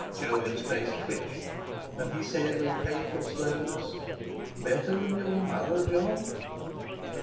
Jolyon's face twitched, and he said with painful slowness: "Better than your mother, Jon?"